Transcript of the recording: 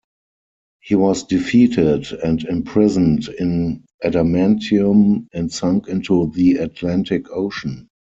He was defeated and imprisoned in adamantium and sunk into the Atlantic Ocean.